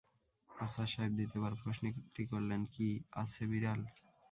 আফসার সাহেব দ্বিতীয় বার প্রশ্নটি করলেন, কী, আছে বিড়াল?